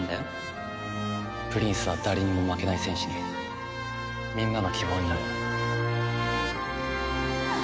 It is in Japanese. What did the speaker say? プリンスは誰にも負けない戦士にみんなの希望になる。